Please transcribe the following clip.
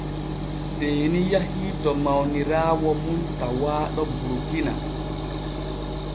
Seeni yahii to mawniraawo mum tawaaɗo Burkina.